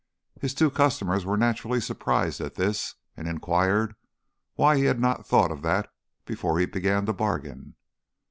His two customers were naturally surprised at this, and inquired why he had not thought of that before he began to bargain.